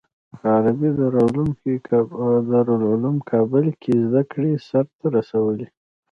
په عربي دارالعلوم کابل کې زده کړې سر ته رسولي.